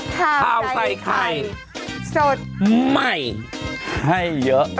ข่าวใส่ไข่สดใหม่ให้เยอะ